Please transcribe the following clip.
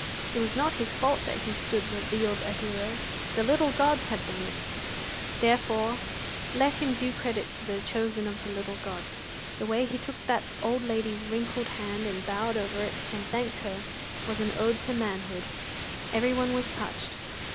It was not his fault that he stood revealed a hero: the little gods had done it; therefore let him do credit to the chosen of the little gods. The way he took that old lady's wrinkled hand, and bowed over it, and thanked her, was an ode to manhood. Everyone was touched.